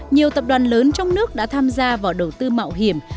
nhiều tập đoàn lớn trong nước đã tham gia vào đầu tư mạo hiểm